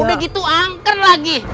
udah gitu angker lagi